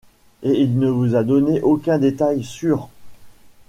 Et il ne vous a donné aucun détail sur. ..